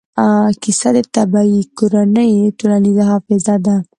کیسه د طبعي کورنۍ ټولنیزه حافظه ده.